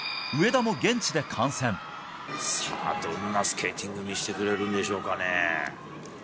さあ、どんなスケーティング見せてくれるんでしょうかね。